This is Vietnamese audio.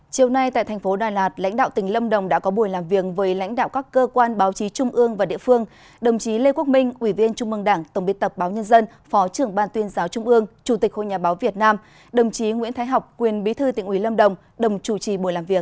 chiều nay tại thành phố đà lạt lãnh đạo tỉnh lâm đồng đã có buổi làm việc với lãnh đạo các cơ quan báo chí trung ương và địa phương đồng chí lê quốc minh ủy viên trung mương đảng tổng biên tập báo nhân dân phó trưởng ban tuyên giáo trung ương chủ tịch hội nhà báo việt nam đồng chí nguyễn thái học quyền bí thư tỉnh ủy lâm đồng đồng chủ trì buổi làm việc